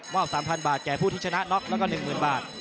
๓๐๐บาทแก่ผู้ที่ชนะน็อกแล้วก็๑๐๐๐บาท